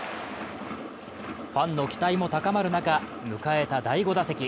ファンの期待も高まる中、迎えた第４打席。